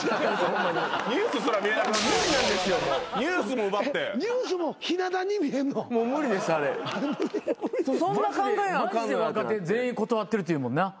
マジで若手全員断ってるっていうもんな。